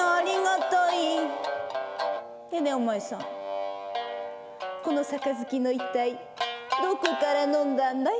ねえねえお前さんこの杯の一体どこから飲んだんだい？」。